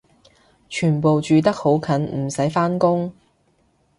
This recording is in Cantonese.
全部住得好近唔使返工？